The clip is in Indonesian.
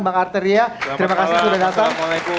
bang arteria terima kasih sudah datang